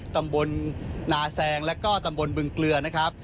ตำบลนาแซงแล้วก็ตำบลบึงเกลือนะครับ